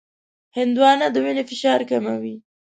هندوانه د وینې فشار کموي.